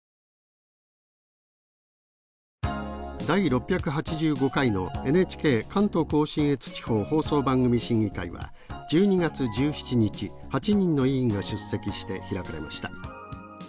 第６８５回のＮＨＫ関東甲信越地方放送番組審議会は１２月１７日８人の委員が出席して開かれました。